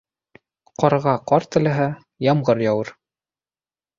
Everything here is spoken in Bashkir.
Ҡарға ҡар теләһә, ямғыр яуыр.